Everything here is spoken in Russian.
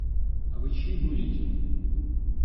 А вы чьи будете?..